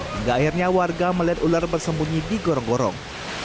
hingga akhirnya warga melihat ular bersembunyi di gorong gorong